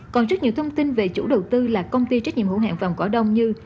còn rất nhiều thông tin về chủ đầu tư là công ty trách nhiệm hữu hạng vòng cỏ đông như